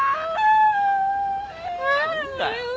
何だよ。